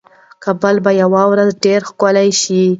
کابل به یوه ورځ ډېر ښکلی شي.